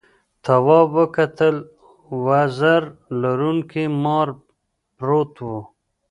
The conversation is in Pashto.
تواب وکتل وزر لرونکي مار پروت و.